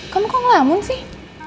kamu kok ngelamun sih